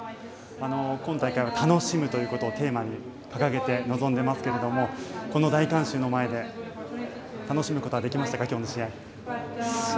今大会は楽しむということをテーマに掲げて臨んでいますがこの大観衆の前で楽しむことはできましたか今日の試合。